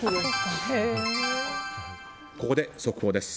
ここで速報です。